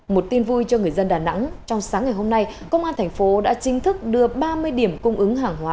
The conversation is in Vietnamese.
một tin vui cho người dân đà nẵng trong sáng ngày hôm nay công an thành phố đã chính thức đưa ba mươi điểm cung ứng hàng hóa